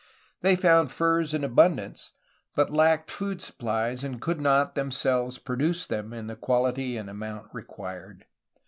They found furs in abun dance, but lacked food supplies, and could not themselves produce them in the quality and amount required.